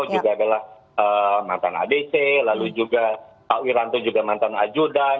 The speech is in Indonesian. juga adalah mantan adc lalu juga pak wiranto juga mantan ajudan